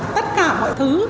tất cả mọi thứ